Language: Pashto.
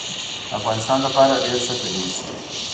د افغانستان لپاره ډیر ښه دریځ